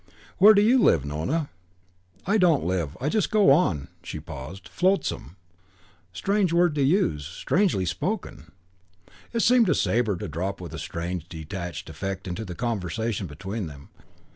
"Where do you live, Nona?" "I don't live. I just go on" she paused "flotsam." Strange word to use, strangely spoken! It seemed to Sabre to drop with a strange, detached effect into the conversation between them.